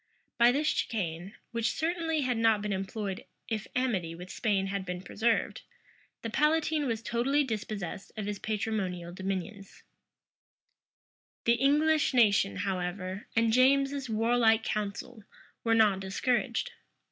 [] By this chicane, which certainly had not been employed if amity with Spain had been preserved, the palatine was totally dispossessed of his patrimonial dominions. * Rushworth, vol. i. p. 74. Rushworth, vol. i. p. 151. The English nation, however, and James's warlike council, were not discouraged.